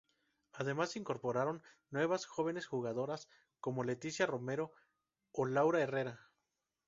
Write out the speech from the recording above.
Además se incorporaron nuevas jóvenes jugadoras como Leticia Romero o Laura Herrera.